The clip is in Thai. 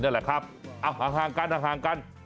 นั่นแหละครับอ้ะทางกันทางกัน